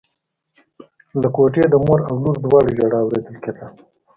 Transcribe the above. له کوټې د مور او لور دواړو ژړا اورېدل کېدله.